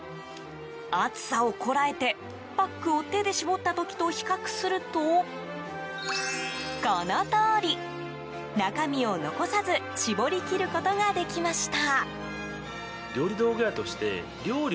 熱さをこらえて、パックを手で絞った時と比較するとこのとおり、中身を残さず絞り切ることができました。